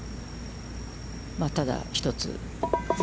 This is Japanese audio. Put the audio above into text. ただ、１つ。